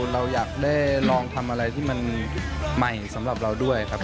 เราอยากได้ลองทำอะไรที่มันใหม่สำหรับเราด้วยครับ